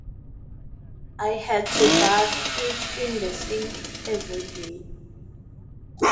I had to bathe it in the sink everyday.